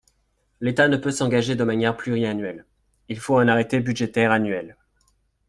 L’État ne peut s’engager de manière pluriannuelle : il faut un arrêté budgétaire annuel.